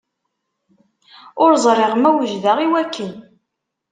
Ur ẓriɣ ma wejdeɣ i wakken.